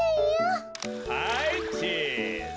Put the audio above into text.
はいチーズ。